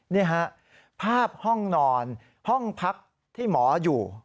นี่ฮะภาพห้องนอนห้องพักที่หมออยู่